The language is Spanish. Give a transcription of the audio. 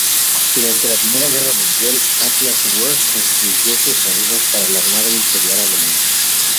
Durante la Primera Guerra Mundial, Atlas Werke construyó submarinos para la Armada Imperial Alemana.